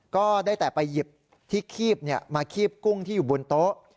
ก็ได้แต่ไปหยิบที่คีบมาคีบกุ้งที่อยู่บนโต๊ะ